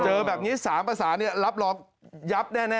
เจอแบบนี้๓ประสานรับรองยับแน่ฮะ